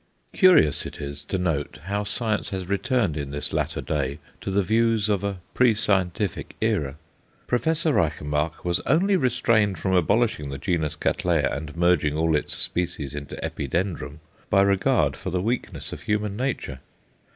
Curious it is to note how science has returned in this latter day to the views of a pre scientific era. Professor Reichenbach was only restrained from abolishing the genus Cattleya, and merging all its species into Epidendrum, by regard for the weakness of human nature.